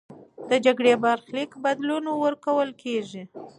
د جګړې برخلیک بدلون ورکول کېږي.